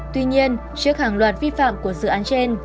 tuy nhiên trước hàng loạt vi phạm của dự án trên